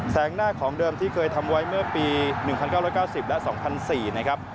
หน้าของเดิมที่เคยทำไว้เมื่อปี๑๙๙๐และ๒๐๐๔นะครับ